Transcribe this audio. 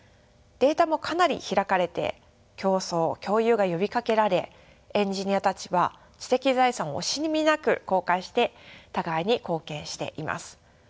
データもかなり開かれて共創共有が呼びかけられエンジニアたちは知的財産を惜しみなく公開して互いに貢献しています。